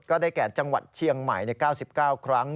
ได้แก่จังหวัดเชียงใหม่๙๙ครั้ง